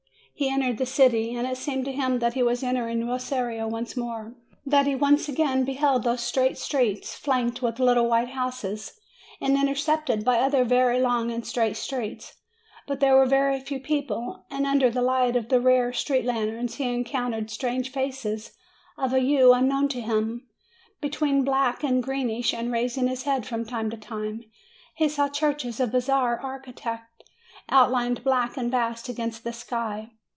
He entered the city, and it seemed to him that he was entering Rosario once more; that he again beheld those straight streets, flanked with little white houses, and intersected by other very long and straight streets. But there were very few people, and under the light of the rare street lanterns, he en countered strange faces of a hue unknown to him, between black and greenish ; and raising his head from time to time, he saw churches of bizarre architecture outlined black and vast against the sky.